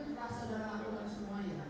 sudah saudara lakukan semuanya